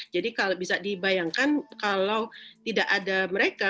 jadi kalau bisa dibayangkan kalau tidak ada mereka